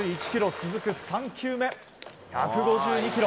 続く３球目１５２キロ。